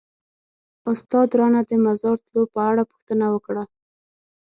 استاد رانه د مزار تلو په اړه پوښتنه وکړه.